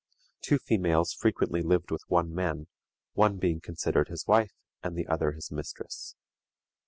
Two females frequently lived with one man, one being considered his wife, and the other his mistress.